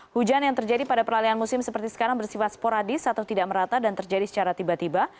hujan yang terjadi pada peralihan musim seperti sekarang bersifat sporadis atau tidak merata dan terjadi secara tiba tiba